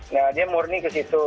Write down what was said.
nah dia murni ke situ